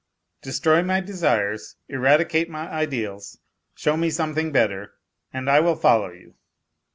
Destroy my desires, eradicate my ideals, show me something better, and I will follow you.